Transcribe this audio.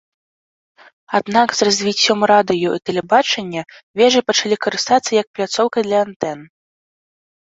Аднак з развіццём радыё і тэлебачання вежай пачалі карыстацца як пляцоўкай для антэн.